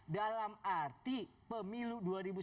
dalam arti pemilu dua ribu sembilan belas